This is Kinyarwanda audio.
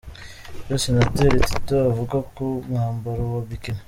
Icyo Senateri Tito avuga ku mwambaro wa Bikini.